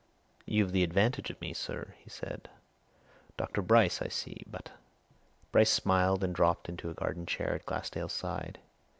"You've the advantage of me, sir," he said. "Dr. Bryce, I see. But " Bryce smiled and dropped into a garden chair at Glassdale's side.